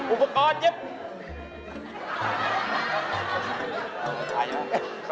อุปกรณ์เย็บผ้าแบบ